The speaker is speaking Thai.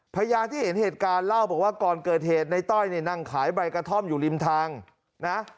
พยานที่เห็นเหตุการณ์เล่าบอกว่าก่อนเกิดเหตุในต้อยเนี่ยนั่งขายใบกระท่อมอยู่ริมทางนะ